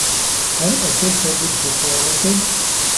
هَلْ أَكَلْتَ بُرْتُقالَةً ؟